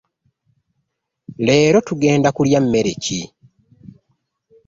Leero tugenda kulya mmere ki?